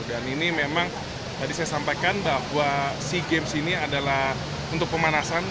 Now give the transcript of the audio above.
dan ini memang tadi saya sampaikan bahwa sea games ini adalah untuk pemanasan